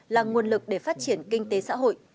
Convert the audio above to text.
là nguồn lực để phát triển kinh tế xã hội